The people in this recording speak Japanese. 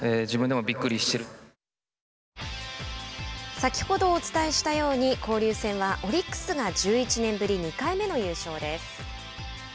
先ほどお伝えしたように交流戦はオリックスが１１年ぶり２回目の優勝です。